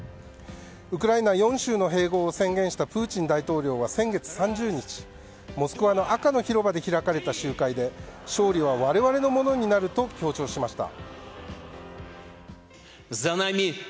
ウクライナ４州の併合を宣言したプーチン大統領は先月３０日、モスクワの赤の広場で開かれた集会で勝利は我々のものになると強調しました。